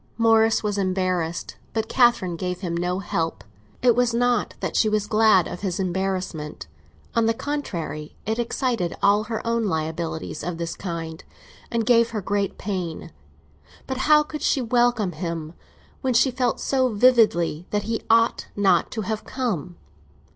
Morris was embarrassed, but Catherine gave him no help. It was not that she was glad of his embarrassment; on the contrary, it excited all her own liabilities of this kind, and gave her great pain. But how could she welcome him when she felt so vividly that he ought not to have come?